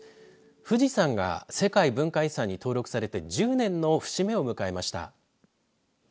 富士山が世界文化遺産に登録されて１０年の節目を迎えました。